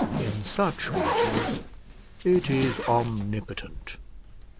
In such matters it is omnipotent.